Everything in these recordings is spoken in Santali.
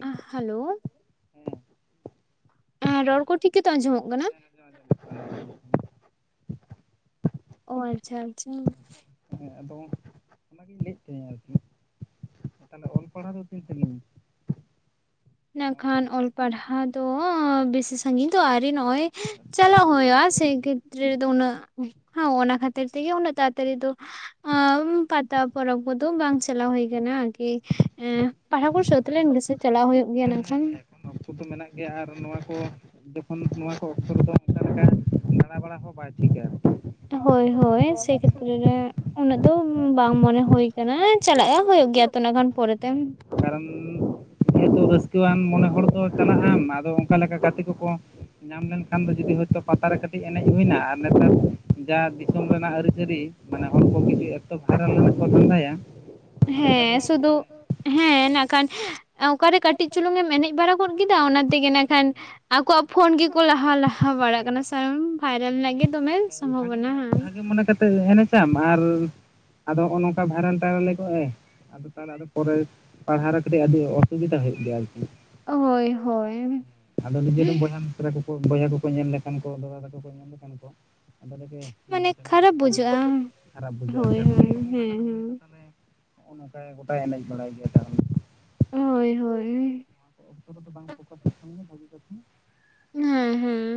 ᱟ ᱦᱮᱞᱳ ᱦᱮᱸ ᱮᱸᱻ ᱨᱚᱲ ᱠᱚ ᱴᱷᱤᱠ ᱜᱮᱛᱚ ᱟᱸᱡᱚᱢᱚᱜ ᱠᱟᱱᱟ? [inaudible] ᱚ ᱟᱪᱪᱷᱟ ᱟᱪᱪᱷᱟ ᱾ ᱦᱮᱸ ᱟᱫᱚ ᱚᱱᱟᱜᱤᱧ ᱞᱟᱹᱭᱮᱫ ᱛᱟᱦᱮᱸᱱᱟ ᱟᱨᱠᱤ ᱛᱟᱦᱚᱞᱮ ᱚᱞ ᱯᱟᱲᱦᱟᱣ ᱫᱚ ᱛᱤᱱ [unintelligible] ᱤᱱᱟᱹ ᱠᱷᱟᱱ ᱚᱞ ᱯᱟᱲᱦᱟᱣ ᱫᱚᱻ ᱵᱮᱥᱤ ᱥᱟᱺᱜᱤᱧ ᱛᱚ ᱟᱹᱣᱨᱤ ᱱᱚᱜᱼᱚᱭ ᱪᱟᱞᱟᱜ ᱦᱩᱭᱩᱜᱼᱟ ᱥᱮ ᱠᱷᱮᱛᱨᱮ ᱫᱚ ᱩᱱᱟᱹᱜ ᱦᱚᱸ ᱚᱱᱟ ᱠᱷᱟᱹᱛᱤᱨ ᱛᱮᱜᱮ ᱩᱱᱟᱹᱜ ᱛᱟᱲᱟᱛᱟᱹᱲᱤ ᱫᱚ ᱟᱻ ᱯᱟᱛᱟ ᱯᱚᱨᱚᱵᱽ ᱠᱚᱫᱚ ᱵᱟᱝ ᱪᱟᱞᱟᱣ ᱦᱩᱭ ᱟᱠᱟᱱᱟ ᱟᱨᱠᱤ᱾ ᱮ ᱯᱟᱲᱦᱟᱣ ᱠᱚ ᱥᱟᱹᱛ ᱞᱮᱱ ᱜᱮᱥᱮ ᱪᱟᱞᱟᱣ ᱦᱩᱭᱩᱜ ᱜᱮᱭᱟ ᱤᱱᱟᱹ ᱠᱷᱟᱱ ᱾ ᱠᱚᱫᱚ ᱢᱮᱱᱟᱜ ᱜᱮᱭᱟ ᱟᱨ ᱱᱚᱣᱟ ᱠᱚ ᱡᱚᱠᱷᱚᱱ ᱱᱚᱣᱟ ᱠᱚ ᱚᱠᱛᱚ ᱨᱮᱫᱚ ᱚᱱᱠᱟ ᱞᱮᱠᱟ ᱫᱟᱬᱟ ᱵᱟᱲᱟ ᱦᱚᱸ ᱵᱟᱭ ᱴᱷᱤᱠᱟ᱾ ᱦᱚᱭ ᱦᱚᱭ ᱥᱮᱭ ᱠᱷᱮᱛᱨᱮ ᱨᱮ ᱩᱱᱟᱹᱜ ᱫᱚ ᱵᱟᱝ ᱢᱚᱱᱮ ᱦᱩᱭ ᱟᱠᱟᱱᱟ ᱪᱟᱞᱟᱜᱼᱟ ᱦᱩᱭᱩᱜ ᱜᱮᱭᱟ ᱛᱤᱱᱟᱹᱜ ᱜᱟᱱ ᱯᱚᱨᱮᱛᱮ ᱾ ᱠᱟᱨᱚᱱ ᱡᱮᱦᱮᱛᱩ ᱨᱟᱹᱥᱠᱟᱹᱣᱟᱱ ᱢᱚᱱᱮ ᱦᱚᱲ ᱫᱚ ᱪᱟᱞᱟᱜ ᱟᱢ ᱟᱫᱚ ᱚᱱᱠᱟ ᱞᱮᱠᱟ ᱜᱟᱛᱮ ᱠᱚᱠᱚ ᱧᱟᱢ ᱞᱮᱱᱠᱷᱟᱱ ᱫᱚ ᱡᱩᱫᱤ ᱦᱚᱭᱛᱳ ᱯᱟᱛᱟ ᱨᱮ ᱠᱟᱹᱴᱤᱡ ᱮᱱᱮᱡ ᱦᱩᱭᱱᱟ ᱟᱨ ᱱᱮᱛᱟᱨ ᱡᱟ ᱫᱤᱥᱚᱢ ᱨᱮᱱᱟᱜ ᱟᱹᱨᱤᱪᱟᱹᱞᱤ ᱢᱟᱱᱮ ᱦᱚᱲ ᱠᱚ ᱠᱤᱪᱷᱩ ᱮᱛᱚ ᱵᱷᱟᱭᱨᱟᱞ ᱠᱚ ᱫᱷᱟᱸᱫᱷᱟᱭᱟ᱾ ᱦᱮᱸ ᱥᱩᱫᱩ ᱦᱮᱸ ᱤᱱᱟᱹ ᱠᱷᱟᱱ ᱚᱠᱟᱨᱮ ᱠᱟᱹᱴᱤᱡ ᱪᱩᱞᱩᱝ ᱮᱢ ᱮᱱᱮᱡ ᱵᱟᱲᱟ ᱜᱚᱫ ᱠᱮᱫᱟ ᱚᱱᱟ ᱛᱮᱜᱮ ᱤᱱᱟᱹ ᱠᱷᱟᱱ ᱟᱠᱚᱣᱟᱜ ᱯᱷᱳᱱ ᱜᱮᱠᱚ ᱞᱟᱦᱟ ᱞᱟᱦᱟ ᱵᱟᱲᱟᱜ ᱠᱟᱱᱟ ᱥᱟᱨ ᱵᱷᱟᱭᱨᱟᱞ ᱨᱮᱱᱟᱜ ᱜᱮ ᱫᱚᱢᱮ ᱟᱫᱚ ᱵᱷᱟᱜᱮ ᱥᱚᱢᱵᱷᱚᱵᱚᱱᱟ ᱦᱟᱸ [unintelligible] ᱢᱚᱱᱮ ᱠᱟᱛᱮᱫ ᱮᱱᱮᱡᱟᱢ ᱟᱨ ᱟᱫᱚ ᱱᱚᱜᱼᱚ ᱱᱚᱝᱠᱟ ᱵᱷᱟᱭᱨᱟᱞ ᱴᱟᱭᱨᱟᱞ ᱞᱮᱠᱚ ᱮ ᱛᱟᱦᱞᱮ ᱟᱫᱚ ᱯᱚᱨᱮ ᱯᱟᱲᱦᱟᱣ ᱨᱮ ᱠᱟᱹᱴᱤᱡ ᱟᱹᱰᱤ ᱚᱥᱩᱵᱤᱫᱟ ᱦᱩᱭᱩᱜ ᱜᱮᱭᱟ ᱟᱨᱠᱤ ᱦᱳᱭ ᱦᱳᱭ ᱾ ᱟᱫᱚ ᱱᱤᱡᱮ ᱫᱚᱢ ᱵᱚᱭᱦᱟ ᱯᱚᱨᱮ ᱠᱚᱠᱚ ᱵᱚᱭᱦᱟ ᱠᱚᱠᱚ ᱧᱮᱞ ᱞᱮᱠᱷᱟᱱ ᱠᱚ ᱫᱟᱫᱟ ᱛᱟᱠᱚ ᱠᱚ ᱧᱮᱞ ᱞᱮᱠᱷᱟᱱ ᱠᱚ ᱟᱫᱚ ᱱ ᱢᱟᱱᱮ ᱪᱟᱞᱟ ᱠᱟᱛᱮ ᱠᱷᱟᱨᱟᱯ ᱛᱟᱦᱚᱞᱮ ᱵᱩᱡᱷᱟᱹᱜᱼᱟ ᱠᱷᱟᱨᱟᱯ ᱦᱳᱭ ᱦᱳᱭ ᱵᱩᱡᱷᱟᱹᱜᱼᱟᱠᱟᱛᱮᱢᱟ ᱦᱮᱸ ᱛᱟᱦᱚᱞᱮ ᱦᱮᱸ [unintelligible] ᱱᱚᱜ-ᱚ ᱱᱚᱝᱠᱟᱭ ᱜᱚᱴᱟᱭ ᱮᱱᱮᱡ ᱵᱟᱲᱟᱭ ᱜᱮᱭᱟ ᱛᱟᱨᱚᱱ [unintelligible] ᱦᱚᱭ ᱦᱚᱭᱻ ᱚᱠᱛᱚ ᱨᱮᱫᱚ ᱵᱟᱝ ᱯᱷᱚᱠᱟᱥ ᱞᱮᱠᱷᱟᱱ ᱜᱮ ᱵᱷᱟᱹᱜᱤ ᱠᱟᱛᱷᱟ ᱦᱮᱸ ᱦᱮᱸ ᱾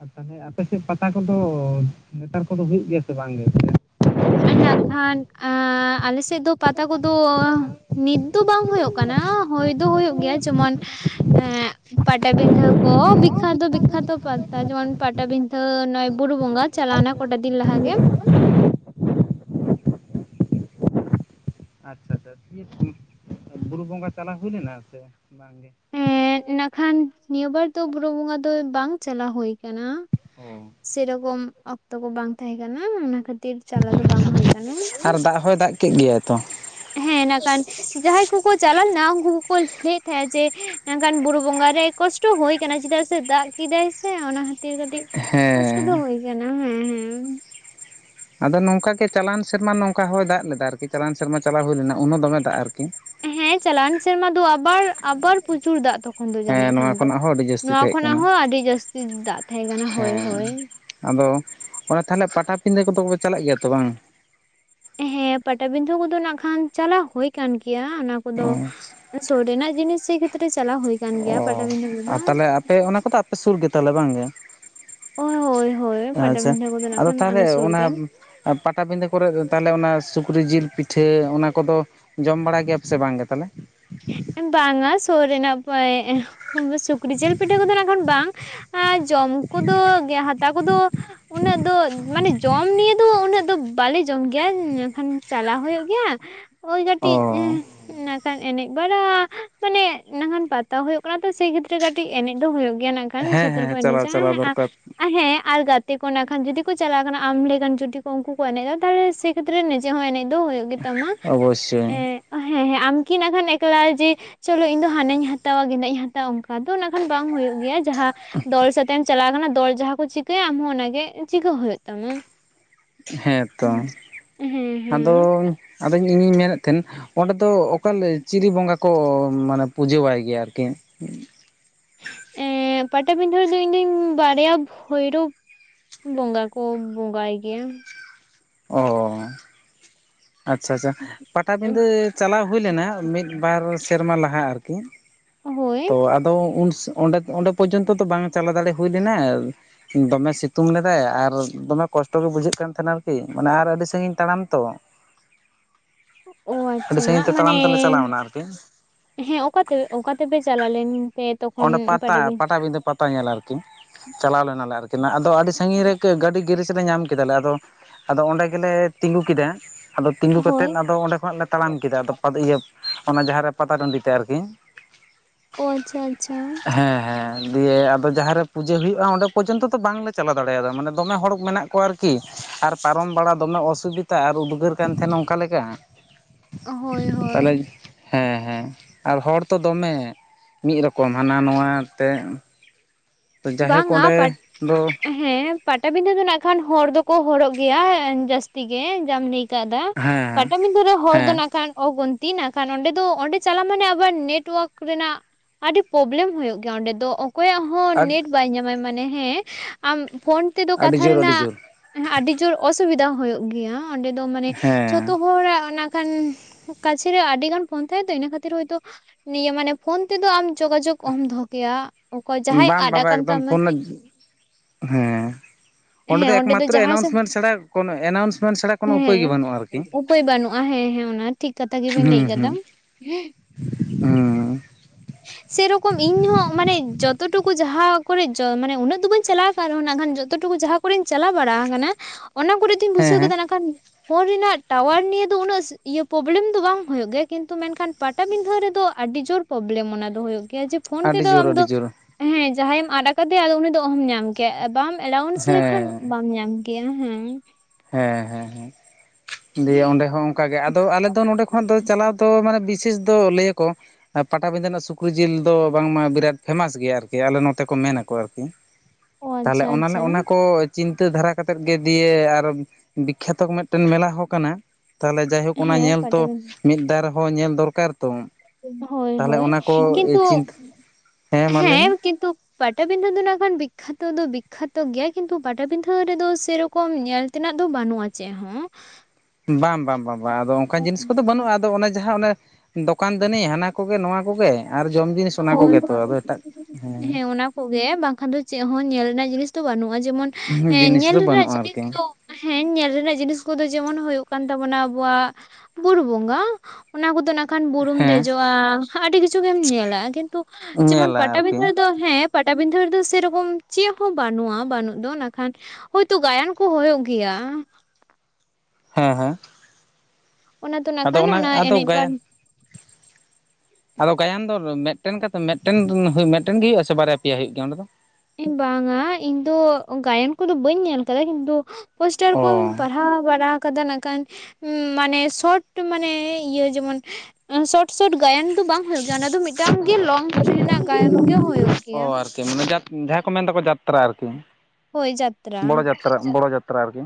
ᱟᱨ ᱛᱟᱦᱞᱮ ᱟᱯᱮ ᱥᱮᱫ ᱯᱟᱛᱟ ᱠᱚᱫᱚ ᱱᱮᱛᱟᱨ ᱠᱚᱫᱚ ᱦᱩᱭᱩᱜ ᱜᱮᱭᱟ ᱥᱮ ᱵᱟᱝ ᱜᱮ ᱾ ᱤᱱᱟᱹ ᱠᱷᱟᱱ ᱟᱸᱻ ᱟᱞᱮᱥᱮᱫ ᱫᱚ ᱯᱟᱛᱟ ᱠᱚᱫᱚ ᱱᱤᱛ ᱫᱚ ᱵᱟᱝ ᱦᱩᱭᱩᱜ ᱠᱟᱱᱟ ᱦᱩᱭ ᱫᱚ ᱦᱩᱭᱩᱜ ᱜᱮᱭᱟ ᱡᱮᱢᱚᱱ ᱮᱸᱜ ᱯᱟᱴᱟᱵᱤᱸᱫᱷᱟᱹ ᱠᱚ ᱵᱤᱠᱠᱷᱟᱛᱚ ᱵᱤᱠᱠᱷᱟᱛᱚ ᱯᱟᱛᱟ ᱡᱮᱢᱚᱱ ᱯᱟᱴ ᱴᱟᱵᱤᱫᱷᱟᱹ ᱱᱚᱜ-ᱚᱭ ᱵᱩᱨᱩ ᱵᱚᱸᱜᱟ ᱪᱟᱞᱟᱣ ᱮᱱᱟ ᱠᱚᱴᱟ ᱫᱤᱱ ᱞᱟᱦᱟᱜᱮ ᱾ ᱟᱪᱪᱷᱟ ᱟᱪᱪᱷᱟ, ᱵᱩᱨᱩ ᱵᱚᱸᱜᱟ ᱪᱟᱞᱟᱣ ᱦᱩᱭ ᱞᱮᱱᱟ ᱥᱮ ᱵᱟᱝ ᱜᱮ? ᱮᱸ ᱱᱟᱜᱠᱷᱟᱱ ᱱᱤᱭᱟᱹ ᱵᱟᱨ ᱫᱚ ᱵᱩᱨᱩ ᱵᱚᱸᱜᱟ ᱫᱚ ᱵᱟᱝ ᱪᱟᱞᱟᱣ ᱦᱩᱭ ᱠᱟᱱᱟ, ᱚ ᱾ ᱥᱮᱨᱚᱠᱚᱢ ᱚᱠᱛᱚ ᱠᱚ ᱵᱟᱝ ᱛᱟᱦᱮᱸ ᱠᱟᱱᱟ ᱚᱱᱟ ᱠᱷᱟᱹᱛᱤᱨ ᱪᱟᱞᱟ ᱫᱚ ᱵᱟᱝ ᱦᱩᱭ ᱠᱟᱱᱟ ᱟᱨ ᱫᱟᱜ ᱦᱚᱭ ᱫᱟᱜ ᱠᱮᱜ ᱜᱮᱭᱟᱭ ᱛᱚ ᱾ ᱦᱮᱸ ᱮᱱᱟ ᱠᱷᱟᱱ ᱡᱟᱸᱦᱟᱸᱭ ᱠᱩᱠᱚ ᱪᱟᱞᱟᱣ ᱞᱮᱱᱟ ᱩᱱᱠᱩ ᱠᱚᱠᱚ ᱞᱟᱹᱭᱮᱜ ᱛᱟᱦᱮᱸᱜ ᱡᱮ ᱮᱱᱠᱷᱟᱱ ᱵᱩᱨᱩ ᱵᱚᱸᱜᱟ ᱨᱮ ᱠᱚᱥᱴᱚ ᱦᱳᱭ ᱠᱟᱱᱟ ᱪᱮᱫᱟᱜ ᱥᱮ ᱫᱟᱜ ᱠᱮᱫᱟᱭ ᱥᱮ ᱚᱱᱟ ᱛᱤᱨ ᱠᱟᱴᱤᱡ ᱠᱚᱥᱴᱚ ᱫᱚ ᱦᱮᱸ ᱦᱳᱭ ᱠᱟᱱᱟ ᱦᱮᱸ ᱦᱮᱸ ᱾ ᱟᱫᱚ ᱱᱚᱝᱠᱟ ᱜᱮ ᱪᱟᱞᱟᱣᱮᱱ ᱥᱮᱨᱢᱟ ᱱᱚᱝᱠᱟ ᱦᱚᱭ ᱫᱟᱜ ᱞᱮᱫᱟ ᱟᱨᱠᱤ ᱪᱟᱞᱟᱣᱮᱱ ᱥᱮᱨᱢᱟ ᱪᱟᱞᱟᱣ ᱦᱩᱭ ᱞᱮᱱᱟ ᱩᱱ ᱦᱚᱸ ᱫᱚᱢᱮ ᱫᱟᱜ ᱟᱨᱠᱤ ᱾ ᱦᱮᱸ ᱪᱟᱞᱟᱣᱮᱱ ᱥᱮᱨᱢᱟ ᱫᱚ ᱟᱵᱟᱨ ᱟᱵᱟᱨ ᱯᱩᱪᱩᱨ ᱫᱟᱜ ᱫᱚ ᱛᱚᱠᱷᱚᱱ ᱫᱚ ᱦᱮᱸ ᱡᱟᱹᱱᱤᱡ ᱠᱷᱟᱱ ᱱᱚᱣᱟ ᱫᱚ ᱠᱷᱚᱱᱟᱜ ᱦᱚᱸ ᱟᱹᱰᱤ ᱡᱟᱹᱥᱛᱤ ᱱᱚᱣᱟ ᱛᱟᱦᱮᱸ ᱠᱷᱚᱱᱟᱜ ᱠᱟᱱᱟ ᱦᱚᱸ ᱟᱰᱤ ᱡᱟᱹᱥᱛᱤ ᱫᱟᱜ ᱛᱟᱦᱮᱸ ᱠᱟᱱᱟ ᱦᱚᱭ ᱦᱮᱸ ᱦᱚᱭ ᱾ ᱟᱫᱚ ᱚᱱᱮ ᱛᱟᱦᱞᱮ ᱯᱟᱴᱟ ᱯᱤᱸᱫᱷᱟᱹ ᱠᱚᱫᱚ ᱯᱮ ᱪᱟᱞᱟᱜ ᱜᱮᱭᱟ ᱛᱚ ᱵᱟᱝ? ᱦᱮᱸ ᱯᱟᱴᱟᱵᱤᱸᱫᱷᱟᱹ ᱠᱚᱫᱚ ᱱᱟᱜ ᱠᱷᱟᱱ ᱪᱟᱞᱟᱣ ᱦᱳᱭ ᱠᱟᱱ ᱜᱮᱭᱟ ᱚᱱᱟ ᱚ ᱠᱚᱫᱚ ᱥᱳᱨ ᱨᱮᱱᱟᱜ ᱡᱤᱱᱤᱥ ᱥᱮᱭ ᱠᱷᱮᱛᱨᱮ ᱪᱟᱞᱟᱣ ᱦᱩᱭ ᱠᱟᱱ ᱚ ᱜᱮᱭᱟ ᱯᱟᱴᱟᱵᱤᱸᱫᱷᱟᱹ ᱠᱚᱫᱚ ᱟᱨ ᱛᱟᱦᱞᱮ ᱟᱯᱮ ᱚᱱᱟ ᱠᱚᱫᱚ ᱟᱯᱮ ᱥᱩᱨ ᱜᱮ ᱛᱟᱦᱞᱮ ᱵᱟᱝᱜᱮ, ᱦᱳᱭ ᱦᱳᱭ ᱦᱳᱭ ᱟᱪᱪᱷᱟ, ᱯᱟᱴᱟᱵᱤᱸᱫᱷᱟᱹ ᱠᱚᱫᱚ ᱱᱟᱜ ᱟᱫᱚ ᱠᱷᱟᱱ ᱛᱟᱦᱞᱮ ᱟᱞᱮ ᱥᱩᱨ ᱚᱱᱟ ᱜᱮ ᱟᱨ ᱯᱟᱴᱟᱵᱤᱸᱫᱷᱟᱹ ᱠᱚᱨᱮᱜ ᱫᱚ ᱛᱟᱦᱞᱮ ᱚᱱᱟ ᱥᱩᱠᱨᱤ ᱡᱤᱞ ᱯᱤᱴᱷᱟᱹ ᱚᱱᱟ ᱠᱚᱫᱚ ᱡᱚᱢ ᱵᱟᱲᱟᱭ ᱜᱮᱭᱟᱯᱮ ᱥᱮ ᱵᱟᱝ ᱜᱮ ᱛᱟᱦᱞᱮ? ᱵᱟᱝᱟ ᱥᱳᱨ ᱨᱮᱱᱟᱜ ᱮᱸ ᱥᱩᱠᱨᱤ ᱡᱤᱞ ᱯᱤᱴᱷᱟᱹ ᱠᱚᱫᱚ ᱱᱟᱜ ᱠᱷᱟᱱ ᱵᱟᱝ ᱟᱸ ᱡᱚᱢ ᱠᱚᱫᱚ ᱜᱮ ᱦᱟᱛᱟᱣ ᱠᱚᱫᱚ ᱩᱱᱟᱹᱜ ᱫᱚ ᱢᱟᱱᱮ ᱡᱚᱢ ᱱᱤᱭᱮ ᱫᱚ ᱩᱱᱟᱹᱜ ᱫᱚ ᱵᱟᱞᱮ ᱡᱚᱢ ᱜᱮᱭᱟ ᱢᱮᱱᱠᱷᱟᱱ ᱪᱟᱞᱟᱣ ᱦᱳᱭᱳᱜ ᱜᱮᱭᱟ ᱳᱭ ᱠᱟᱴᱤᱡ ᱮᱸ ᱚ ᱱᱟ ᱮᱱᱮᱡ ᱵᱟᱲᱟ ᱢᱟᱱᱮ ᱱᱟᱠᱷᱟᱱ ᱯᱟᱛᱟ ᱦᱳᱭᱳᱜ ᱠᱟᱱᱟ ᱛᱚ ᱥᱮᱭ ᱠᱷᱟᱹᱛᱤᱨ ᱠᱟᱹᱴᱤᱡ ᱮᱱᱮᱡ ᱫᱚ ᱦᱳᱭᱳᱜ ᱜᱮᱭᱟ ᱠᱟᱱ ᱦᱮᱸ ᱪᱷᱚᱛᱚᱨ ᱠᱚ ᱦᱮᱸ ᱪᱟᱞᱟᱣ ᱮᱱᱮᱡᱟ ᱪᱟᱞᱟᱣ ᱫᱚᱨᱠᱟᱨ ᱟᱨ ᱦᱮᱸ ᱟᱨ ᱜᱟᱛᱮ ᱠᱚ ᱦᱮᱱᱟᱜ ᱠᱷᱟᱱ ᱡᱩᱫᱤ ᱠᱚ ᱪᱟᱞᱟᱣ ᱠᱟᱱᱟ ᱟᱢ ᱞᱮᱠᱟᱱ ᱡᱩᱴᱤ ᱠᱚ ᱩᱝᱠᱩ ᱠᱚ ᱮᱱᱮᱡᱫᱟ ᱛᱟᱦᱞᱮ ᱠᱷᱟᱹᱛᱤᱨ ᱱᱤᱡᱮ ᱦᱚᱸ ᱮᱱᱮᱡ ᱫᱚ ᱦᱳᱭᱳᱜ ᱜᱮ ᱛᱟᱢᱟ ᱚᱵᱚᱥᱥᱳᱭ ᱮᱸ ᱦᱮᱸ ᱦᱮᱸ ᱟᱢ ᱠᱤᱱ ᱱᱟᱜ ᱠᱷᱟᱱ ᱮᱠᱞᱟ ᱡᱮ ᱪᱚᱞᱚ ᱤᱧ ᱫᱚ ᱦᱟᱱᱟᱧ ᱦᱟᱛᱟᱣᱟ ᱜᱮᱸᱫᱟᱜ ᱤᱧ ᱦᱟ ᱛᱟ ᱚᱝᱠᱟ ᱫᱚ ᱱᱟᱜ ᱠᱷᱟᱱ ᱵᱟᱝ ᱦᱳᱭᱳᱜ ᱜᱮᱭᱟ ᱡᱟᱦᱟᱸ ᱫᱚᱞ ᱥᱟᱛᱮᱢ ᱪᱟᱞᱟᱣ ᱠᱟᱱᱟ ᱫᱚᱞ ᱡᱟᱦᱟᱸ ᱠᱚ ᱪᱤᱠᱟᱹᱭᱟ ᱟᱢᱦᱚᱸ ᱚᱱᱟᱜᱮ ᱪᱤᱠᱟᱹ ᱦᱳᱭᱳᱜ ᱛᱟᱢᱟ ᱾ ᱦᱮᱸᱛᱚ, ᱦᱮᱸ ᱦᱮᱸ ᱟᱫᱚ ᱟᱫᱚ ᱤᱧᱤᱧ ᱢᱮᱱᱮᱫ ᱛᱟᱦᱮᱱ ᱚᱸᱰᱮ ᱫᱚ ᱚᱠᱟ ᱞᱟᱹᱭ ᱪᱤᱞᱤ ᱵᱚᱸᱜᱟ ᱠᱚ ᱢᱟᱱᱮ ᱯᱩᱡᱟᱹᱣᱟᱭ ᱜᱮᱭᱟ ᱟᱨᱠᱤ ᱾ ᱮᱸ ᱯᱟᱴᱟᱵᱤᱸᱫᱷᱟᱹ ᱨᱮᱫᱚ ᱤᱧ ᱫᱚᱧ ᱵᱟᱲᱟᱭᱟ ᱵᱷᱳᱭᱨᱳᱵᱽ ᱵᱚᱸᱜᱟ ᱠᱚ ᱵᱚᱸᱜᱟᱭ ᱜᱮᱭᱟ ᱾ ᱚᱸ᱾ ᱟᱪᱪᱷᱟ ᱟᱪᱪᱷᱟ, ᱯᱟᱴᱟᱵᱤᱸᱫᱟᱹ ᱪᱟᱞᱟᱣ ᱦᱩᱭ ᱞᱮᱱᱟ ᱢᱤᱫ ᱵᱟᱨ ᱥᱮᱨᱢᱟ ᱞᱟᱦᱟ ᱟᱨᱠᱤ ᱦᱳᱭ ᱾ ᱛᱚ ᱟᱫᱚ ᱩᱱᱥ ᱚᱸᱰᱮ ᱯᱚᱨᱡᱚᱱᱛᱚ ᱫᱚ ᱵᱟᱝ ᱪᱟᱞᱟᱣ ᱫᱟᱲᱮ ᱦᱩᱭ ᱞᱮᱱᱟ, ᱫᱚᱢᱮ ᱥᱤᱛᱩᱝ ᱞᱮᱫᱟᱭ ᱟᱨ ᱫᱚᱢᱮ ᱠᱚᱥᱴᱚ ᱜᱮ ᱵᱩᱡᱷᱟᱹᱜ ᱠᱟᱱ ᱛᱟᱦᱮᱱᱟ ᱟᱨᱠᱤ ᱢᱟᱱᱮ ᱟᱨ ᱟᱹᱰᱤ ᱥᱟᱺᱜᱤᱧ ᱛᱟᱲᱟᱢ ᱛᱚ ᱾ ᱚ ᱟᱹᱰᱤ ᱟᱪᱪᱷᱟ ᱥᱟᱺᱜᱤᱧ ᱛᱮ ᱢᱟᱱᱮ ᱛᱟᱲᱟᱢ ᱛᱮᱞᱮ ᱪᱟᱞᱟᱣᱱᱟ ᱟᱨᱠᱤ ᱦᱮᱸ ᱚᱠᱟᱛᱮ ᱚᱠᱟ ᱛᱮᱯᱮ ᱪᱟᱞᱟᱣ ᱞᱮᱱ ᱛᱮ ᱛᱚᱠᱷᱚᱱ ᱚᱱᱰᱮ ᱯᱟᱛᱟ ᱯᱟᱴᱟᱵᱤᱸᱫᱷᱟᱹ ᱯᱟᱴᱟᱵᱤᱸᱫᱟ. ᱯᱟᱛ ᱯᱟᱛᱟ ᱧᱮᱞ ᱟᱨᱠᱤ ᱪᱟᱞᱟᱣ ᱞᱮᱱᱟᱞᱮ ᱟᱨᱠᱤ ᱟᱫᱚ ᱟᱹᱰᱤ ᱥᱟᱺᱜᱤᱧ ᱨᱮ ᱜᱟᱹᱰᱤ ᱜᱨᱮᱤᱡ ᱞᱮ ᱧᱟᱢ ᱠᱮᱫᱟᱞᱮ ᱟᱫᱚ ᱟᱫᱚ ᱚᱸᱰᱮ ᱜᱮᱞᱮ ᱛᱤᱸᱜᱩ ᱠᱮᱫᱟ ᱟᱫᱚ ᱛᱤᱸᱜᱩ ᱠᱟᱛᱮ ᱦᱳᱭ ᱟᱫᱚ ᱚᱸᱰᱮ ᱠᱷᱚᱱᱟᱜ ᱞᱮ ᱛᱟᱲᱟᱢ ᱠᱮᱫᱟ ᱟᱫᱚ ᱤᱭᱟᱹ ᱚᱱᱟ ᱡᱟᱦᱟᱸᱨᱮ ᱯᱟᱛᱟ ᱴᱟᱺᱰᱤ ᱛᱮ ᱟᱨᱠᱤ ᱾ ᱟ ᱟᱪᱪᱷᱟ ᱟᱪᱪᱷᱟ ᱾ ᱦᱮᱸ ᱦᱮᱸ ᱾ ᱫᱤᱭᱮ ᱟᱫᱚ ᱡᱟᱦᱟᱸᱨᱮ ᱯᱩᱡᱟᱹ ᱦᱩᱭᱩᱜᱼᱟ ᱚᱸᱰᱮ ᱯᱚᱨᱡᱚᱱᱛᱚ ᱵᱟᱝ ᱞᱮ ᱪᱟᱞᱟᱣ ᱫᱟᱲᱮᱭᱟᱫᱟ ᱢᱟᱱᱮ ᱫᱚᱢᱮ ᱦᱚᱲ ᱢᱮᱱᱟᱜ ᱠᱚᱣᱟ ᱟᱨᱠᱤ᱾ ᱟᱨ ᱯᱟᱨᱚᱢ ᱵᱟᱲᱟ ᱫᱚᱢᱮ ᱚᱥᱩᱵᱤᱛᱟ ᱟᱨ ᱩᱫᱽᱜᱟᱹᱨ ᱠᱟᱱ ᱛᱟᱦᱮᱱ ᱚᱱᱠᱟ ᱞᱮᱠᱟ, ᱦᱳᱭ ᱦᱳᱭ ᱛᱟᱦᱞᱮ ᱦᱮᱸ ᱦᱮᱸ, ᱟᱨ ᱦᱚᱲ ᱛᱚ ᱫᱚᱢᱮ ᱢᱤᱫ ᱨᱚᱠ ᱠᱚᱢ ᱦᱟᱱᱟ ᱱᱚᱣᱟ ᱛᱮ᱾ ᱡᱟᱭᱦᱳᱠ ᱵᱟᱝᱟ ᱯᱟᱴ, ᱚᱸᱰᱮ ᱫᱚ ᱮᱦ ᱦᱮᱸ ᱯᱟᱴᱟᱵᱤᱸᱫᱟᱹ ᱫᱚ ᱱᱟᱜ ᱠᱷᱟᱱ ᱦᱚᱲ ᱫᱚᱠᱚ ᱦᱚᱨᱚᱜ ᱜᱮᱭᱟ ᱮ ᱡᱟᱹᱥᱛᱤ ᱜᱮ ᱡᱟᱢ ᱞᱟ. ᱭ ᱠᱟᱫᱟ ᱦᱮᱸ ᱯᱟᱴᱟᱵᱤᱸᱫᱟᱹ ᱨᱮ ᱦᱚᱲ ᱫᱚ ᱦᱮᱸ ᱱᱟᱜ ᱠᱷᱟᱱ ᱚᱜᱩᱱᱛᱤ ᱱᱟᱜ ᱠᱷᱟᱱ ᱚᱸᱰᱮ ᱫᱚ ᱚᱸᱰᱮ ᱪᱟᱞᱟᱜ ᱢᱟᱱᱮ ᱟᱵᱟᱨ ᱱᱮᱴᱚᱣᱟᱠ ᱨᱮᱱᱟᱜ ᱟᱹᱰᱤ ᱯᱳᱵᱞᱮᱢ ᱦᱩᱭᱩᱜ ᱜᱮᱭᱟ ᱚᱸᱰᱮ ᱫᱚ ᱚᱠᱚᱭᱟᱜ ᱦᱚᱸ ᱱᱮᱴ ᱵᱟᱭ ᱧᱟᱢᱟᱭ ᱢᱟᱱᱮ ᱦᱮᱸ, ᱟᱢ ᱯᱷᱳᱱ ᱛᱮᱫᱚ ᱟᱹᱰᱤ ᱠᱟᱛᱷᱟ ᱡᱳᱨ ᱟᱹᱰᱤ ᱨᱮᱱᱟᱜ ᱡᱳᱨ ᱦᱮᱸ ᱟᱹᱰᱤ ᱡᱳᱨ ᱚᱥᱩᱵᱤᱫᱷᱟ ᱦᱩᱭᱩᱜ ᱜᱮᱭᱟ ᱚᱸᱰᱮ ᱫᱚ ᱢᱟᱱᱮ ᱡᱷᱚᱛᱚ ᱦᱮᱸ ᱦᱚᱲᱟᱜ ᱚᱱᱟ ᱠᱷᱟᱱ ᱠᱟᱪᱷᱮ ᱨᱮ ᱟᱹᱰᱤᱜᱟᱱ ᱯᱷᱳᱱ ᱛᱟᱦᱮᱸ ᱛᱚ ᱤᱱᱟᱹ ᱠᱷᱟᱹᱛᱤᱨ ᱦᱚᱭᱛᱳ ᱱᱤᱭᱟᱹ ᱢᱟᱱᱮ ᱯᱷᱳᱱ ᱛᱮᱫᱚ ᱟᱢ ᱡᱳᱜᱟᱡᱳᱜᱽ ᱚᱦᱚᱢ ᱫᱚᱦᱚ ᱠᱮᱭᱟ ᱚᱠᱚᱭ ᱡᱟᱦᱟᱸᱭ ᱵᱟᱝ ᱟᱫ ᱵᱟᱵᱟ ᱟᱠᱟᱱ ᱮᱠᱫᱚᱢ ᱛᱟᱢᱟᱭ ᱯᱷᱳᱱ ᱱᱟᱜ, ᱦᱮᱸ᱾ ᱚᱸᱰᱮ ᱦᱮᱸ ᱫᱚ ᱮᱠᱢᱟᱛᱨᱚ ᱡᱟᱦᱟᱸᱭ ᱥᱮ ᱮᱱᱟᱣᱩᱱᱥᱢᱮᱱᱴ ᱪᱷᱟᱲᱟ ᱠᱳᱱᱳ ᱮᱱᱟᱣᱩᱱᱥᱢᱴ ᱪᱷᱟᱲᱟ ᱠᱚᱱᱳ ᱩᱯᱟᱹᱭ ᱜᱮ ᱦᱮᱸ ᱵᱟᱹᱱᱩᱜᱼᱟ ᱟᱨᱠᱤ᱾ ᱩᱯᱟᱹᱭ ᱵᱟᱹᱱᱩᱜᱼᱟ ᱦᱮᱸ ᱦᱮᱸ ᱚᱱᱟ ᱴᱷᱤᱠ ᱠᱟᱛᱷᱟ ᱜᱮᱵᱮᱱ ᱞᱟᱹᱭ ᱠᱟᱫᱟᱢ ᱦᱚᱸ᱾ ᱥᱮᱭ ᱨᱚᱠᱚᱢ ᱤᱧ ᱦᱚᱸ ᱢᱟᱱᱮ ᱡᱚᱛᱚ ᱴᱩᱠᱩ ᱡᱟᱦᱟᱸ ᱠᱚᱨᱮᱜ ᱡᱚ ᱢᱟᱱᱮ ᱩᱱᱟᱹᱜ ᱫᱚ ᱵᱟᱹᱧ ᱪᱟᱞᱟᱣ ᱟᱠᱟᱱ ᱨᱮᱦᱚᱸ ᱱᱟᱜ ᱠᱷᱟᱱ ᱡᱚᱛᱚ ᱴᱩᱠᱩ ᱡᱟᱦᱟᱸ ᱠᱚᱨᱮᱧ ᱪᱟᱞᱟᱣ ᱵᱟᱲᱟ ᱟᱠᱟᱱᱟ ᱚᱱᱟ ᱠᱚᱨᱮ [unintelligible] ᱦᱮᱸ ᱵᱩᱡᱷᱟᱹᱣ ᱦᱮᱸ ᱠᱟᱫᱟ ᱱᱟᱜ ᱠᱷᱟᱱ ᱯᱷᱳᱱ ᱨᱮᱱᱟᱜ ᱴᱟᱣᱟᱨ ᱱᱤᱭᱮ ᱫᱚ ᱩᱱᱟᱹᱜ ᱤᱭᱟᱹ ᱯᱚᱵᱞᱮᱢ ᱫᱚ ᱵᱟᱝ ᱦᱳᱭᱳᱜ ᱜᱮᱭᱟ ᱠᱤᱱᱛᱩ ᱢᱮᱱᱠᱷᱟᱱ ᱯᱟᱴᱟᱵᱤᱸᱷᱟᱹ ᱨᱮᱫᱚ ᱟᱹᱰᱤ ᱡᱳᱨ ᱯᱚᱵᱞᱮᱢ ᱚᱱᱟ ᱫᱚ ᱦᱩᱭᱩᱜ ᱜᱮᱭᱟ ᱡᱮ ᱯᱷᱳᱱ ᱟᱹᱰᱤ ᱛᱮᱫᱚ ᱡᱳᱨ ᱟᱢ ᱫᱚ ᱟᱹᱰᱤ ᱡᱳᱨ ᱦᱮᱸ ᱡᱟᱦᱟᱸᱭᱮᱢ ᱟᱫ ᱠᱟᱫᱮᱭᱟ ᱟᱫᱚ ᱩᱱᱤ ᱫᱚ ᱚᱦᱚᱢ ᱧᱟᱢ ᱠᱮᱭᱟ ᱵᱟᱢ ᱮᱞᱟᱣᱩᱱᱥ ᱞᱮᱠᱷᱟᱱ ᱦᱮᱸ ᱵᱟᱢ ᱧᱟᱢ ᱠᱮᱭᱟ ᱦᱮᱸ᱾ ᱦᱮᱸ ᱦᱮᱸ ᱦᱮᱸ ᱫᱤᱭᱮ ᱚᱸᱰᱮ ᱦᱚᱸ ᱚᱱᱠᱟ ᱜᱮ ᱟᱫᱚ ᱟᱞᱮ ᱫᱚ ᱱᱚᱰᱮ ᱠᱷᱚᱱᱟᱜ ᱫᱚ ᱪᱟᱞᱟᱣ ᱫᱚ ᱢᱟᱱᱮ ᱵᱤᱥᱮᱥ ᱫᱚ ᱞᱟᱹᱭᱟᱠᱚ ᱟᱨ ᱯᱟᱴᱟᱵᱤᱸᱫᱟᱹ ᱨᱮᱱᱟᱜ ᱥᱩᱠᱨᱤ ᱡᱤᱞ ᱫᱚ ᱵᱟᱝᱢᱟ ᱵᱤᱨᱟᱴ ᱯᱷᱮᱢᱟᱥ ᱜᱮᱭᱟ ᱟᱨᱠᱤ ᱟᱞᱮ ᱱᱚᱛᱮ ᱠᱚ ᱢᱮᱱᱟᱠᱚ ᱟᱨᱠᱤ ᱚ ᱛᱟᱦᱞᱮ ᱟᱪᱪᱷᱟ ᱚᱱᱟᱞᱮ ᱟᱪᱪᱷᱟ ᱚᱱᱟ ᱠᱚ ᱪᱤᱱᱛᱟᱹ ᱫᱷᱟᱨᱟ ᱠᱟᱛᱮ ᱜᱮ ᱫᱤᱭᱮ ᱟᱨ ᱵᱤᱠᱠᱷᱟᱛᱚᱠ ᱢᱤᱫᱴᱮᱱ ᱢᱮᱞᱟ ᱦᱚᱸ ᱠᱟᱱᱟ ᱛᱟᱦᱞᱮ ᱡᱟᱭᱦᱳᱠ ᱚᱱᱟ ᱦᱮᱸ ᱧᱮᱞ ᱛᱚ ᱯᱟᱴᱟᱵᱤᱸᱫᱷᱟᱹ ᱢᱤᱫ ᱫᱟᱨ ᱨᱮᱦᱚᱸ ᱧᱮᱞ ᱫᱚᱨᱠᱟᱨ ᱛᱚ᱾ ᱦᱳᱭ ᱛᱟᱦᱚᱞᱮ ᱦᱳᱭ ᱚᱱᱟ ᱠᱚ ᱠᱤᱱᱛᱩ, ᱪᱤᱱᱛᱟᱹ ᱢᱟ ᱞᱟᱹᱭ ᱦᱮᱸ ᱢᱮ ᱠᱤᱱᱛᱩ ᱯᱟᱴᱟᱵᱤᱸᱫᱟᱹ ᱫᱚ ᱱᱟᱜ ᱠᱷᱟᱱ ᱵᱤᱠᱷᱟᱛᱚ ᱫᱚ ᱵᱤᱠᱠᱷᱟᱛᱚ ᱜᱮᱭᱟ ᱠᱤᱱᱛᱩ ᱯᱟᱴᱟᱵᱤᱸᱫᱷᱟᱹ ᱨᱮᱫᱚ ᱥᱮᱨᱚᱠ ᱠᱚᱢ ᱧᱮᱞ ᱛᱮᱱᱟᱜ ᱫᱚ ᱵᱟᱹᱱᱩᱜᱼᱟ ᱪᱮᱫ ᱦᱚᱸ᱾ ᱵᱟᱝ ᱵᱟᱝ ᱵᱟᱝ ᱵᱟᱝ ᱟᱫᱚ ᱚᱱᱠᱟᱱ ᱡᱤᱱᱤᱥ ᱠᱚᱫᱚ ᱵᱟᱹᱱᱩᱜᱼᱟ ᱫᱚ ᱚᱱᱮ ᱡᱟᱦᱟᱸ ᱚᱱᱮ ᱫᱚᱠᱟᱱ ᱫᱟᱹᱱᱤ ᱦᱟᱱᱟ ᱠᱚᱜᱮ ᱱᱚᱣᱟ ᱠᱚᱜᱮ ᱟᱨ ᱡᱚᱢ ᱡᱤᱱᱤᱥ, ᱚᱱᱟ ᱦᱳᱭ ᱠᱚᱜᱮ ᱛᱚ ᱦᱳᱭ ᱟᱫᱚ ᱮᱴᱟᱜ ᱦᱮᱸ ᱚᱱᱟ ᱠᱚᱜᱮ ᱵᱟᱝᱠᱷᱟᱱ ᱫᱚ ᱪᱮᱫ ᱦᱚᱸ ᱧᱮᱞ ᱨᱮᱱᱟᱜ ᱡᱤᱱᱤᱥ ᱫᱚ ᱵᱟᱹᱱᱩᱜᱼᱟ ᱡᱮᱢᱚᱱ ᱮᱸ ᱡᱤᱱᱤᱥ ᱧᱮᱞ ᱫᱚ ᱨᱮᱱᱟᱜ ᱵᱟᱹᱱᱩᱜᱼᱟ ᱡᱤᱱᱤᱥ ᱟᱨᱠᱤ ᱫᱚ ᱦᱮᱸ ᱧᱮᱞ ᱨᱮᱱᱟᱜ ᱡᱤᱱᱤᱥ ᱠᱚᱫᱚ ᱡᱮᱢᱚᱱ ᱦᱩᱭᱩᱜ ᱠᱟᱱ ᱛᱟᱵᱚᱱᱟ ᱟᱵᱚᱣᱟᱜ ᱵᱩᱨᱩ ᱵᱚᱸᱜᱟ ᱚᱱᱟ ᱠᱚᱫᱚ ᱱᱟᱜ ᱠᱷᱟᱱ ᱵᱩᱨᱩᱢ ᱦᱮᱸ ᱫᱮᱡᱚᱜᱼᱟ ᱟᱹᱰᱤ ᱠᱤᱪᱷᱩ ᱜᱮᱢ ᱧᱮᱞᱟ ᱠᱤᱱᱛᱩ ᱡᱮᱢᱚᱱ ᱧᱮᱞᱟ ᱯᱟᱴᱟᱵᱤᱫᱟᱹ ᱟᱨᱠᱤ ᱨᱮᱫᱚ ᱦᱮᱸ ᱯᱟᱴᱟᱵᱤᱸᱫᱷᱟᱹ ᱨᱮᱫᱚ ᱥᱮᱨᱚᱠᱚᱢ ᱪᱮᱫ ᱦᱚᱸ ᱵᱟᱹᱱᱩᱜᱼᱟ ᱵᱟᱹᱱᱩᱜ ᱫᱚ ᱱᱟᱠᱷᱟᱱ ᱦᱳᱭᱛᱚ ᱜᱟᱭᱟᱱ ᱠᱚ ᱦᱳᱭᱳᱜ ᱜᱮᱭᱟ᱾ ᱦᱮᱸ ᱦᱮᱸ? ᱚᱱᱟ ᱫᱚ ᱱᱟᱜ ᱟᱫᱚ ᱠᱷᱟᱱ ᱚᱱᱟ ᱟᱫᱚ ᱮᱱᱮᱡ ᱵᱟᱨ ᱜᱟᱭᱟᱱ ᱟᱫᱚ ᱜᱟᱭᱟᱱ ᱫᱚ ᱢᱮᱫᱴᱮᱱ ᱠᱟᱛᱮ ᱢᱤᱫᱴᱮᱱ ᱨᱮ ᱢᱤᱫᱴᱮᱱ ᱜᱮ ᱦᱩᱭᱩᱜᱼᱟ ᱥᱮ ᱵᱟᱨᱭᱟ ᱯᱮᱭᱟ ᱦᱩᱭᱩᱜ ᱜᱮᱭᱟ ᱚᱸᱰᱮ ᱫᱚ? ᱤᱧ ᱵᱟᱝᱟ ᱤᱧ ᱫᱚ ᱜᱟᱭᱟᱱ ᱠᱚᱫᱚ ᱵᱟᱹᱧ ᱧᱮᱞ ᱠᱟᱫᱟ, ᱠᱤᱱᱛᱩ ᱯᱳᱥᱴᱟᱨ ᱚ ᱠᱚᱧ ᱯᱟ ᱯᱟᱲᱦᱟᱣ ᱵᱟᱲᱟ ᱠᱟᱫᱟ ᱱᱟᱸᱜ ᱠᱷᱟᱱ ᱢᱟᱱᱮ ᱥᱚᱴ ᱢᱟᱱᱮ ᱤᱭᱟᱹ ᱡᱮᱢᱚᱱ ᱥᱚᱴ ᱥᱚᱴ ᱜᱟᱭᱟᱱ ᱫᱚ ᱵᱟᱝ ᱦᱳᱭᱳᱜ ᱜᱮᱭᱟ᱾ ᱚᱱᱟ ᱫᱚ ᱢᱤᱫᱴᱟᱝ ᱜᱮ ᱞᱚᱝ ᱨᱮᱱᱟᱜ ᱜᱟᱭᱟᱱ ᱜᱮ ᱦᱳᱭᱳᱜ ᱜᱮᱭᱟ᱾ ᱢᱮᱱᱮᱡᱟᱨ ᱡᱟᱦᱟᱸᱭ ᱠᱚ ᱢᱮᱱ ᱫᱟᱠᱚ ᱡᱟᱛᱨᱟ ᱟᱨᱠᱤ᱾᱾ ᱦᱳᱭ ᱡᱟᱛᱨᱟ᱾ ᱛᱟᱨᱟᱜ ᱡᱟᱛᱨᱟ ᱵᱚᱲᱚ ᱡᱟᱛᱨᱟ ᱟᱨᱠᱤ,